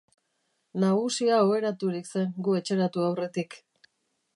Nagusia oheraturik zen gu etxeratu aurretik.